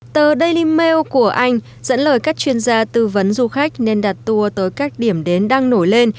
tờ daily mail của anh dẫn lời các chuyên gia tư vấn du khách nên đặt tour tới các điểm đến đang nổi lên